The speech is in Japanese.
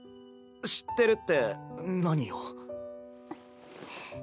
知ってるって何を？